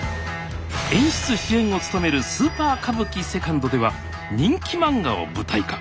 演出・主演を務めるスーパー歌舞伎Ⅱでは人気漫画を舞台化。